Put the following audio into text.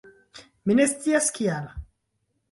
Mi ne scias kial